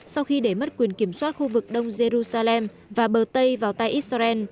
sau khi để mất quyền kiểm soát khu vực đông jerusalem và bờ tây vào tay israel